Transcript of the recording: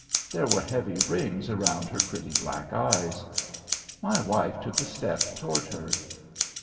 There were heavy rings about her pretty black eyes. My wife took a step toward her.